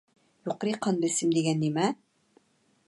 يۇقىرى قان بېسىم دېگەن نېمە؟